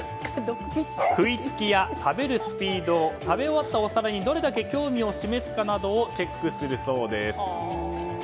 食いつきや、食べるスピード食べ終わったお皿にどれだけ興味を示すのかなどをチェックするそうです。